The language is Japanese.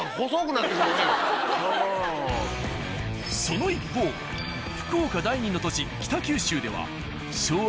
その一方福岡第２の都市北九州では。